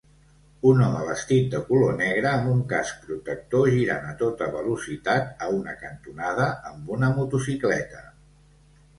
Un home vestit de color negre amb un casc protector girant a tota velocitat a una cantonada amb una motocicleta.